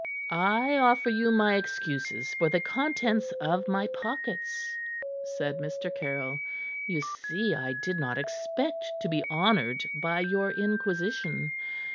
"I offer you my excuses for the contents of my pockets," said Mr. Caryll. "Ye see, I did not expect to be honored by your inquisition.